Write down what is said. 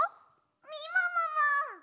みももも！